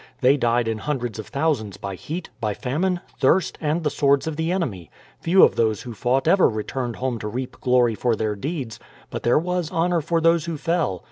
They died in hundreds of thousands by heat, by famine, thirst, and the swords of the enemy. Few of those who fought ever returned home to reap glory for their deeds; but there was honour for those who fell.